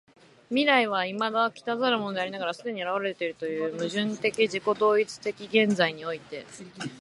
未来は未だ来らざるものでありながら既に現れているという矛盾的自己同一的現在（歴史的空間）において、